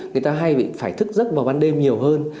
người ta hay bị phải thức giấc vào ban đêm nhiều hơn